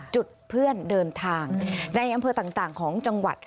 เพื่อนเดินทางในอำเภอต่างของจังหวัด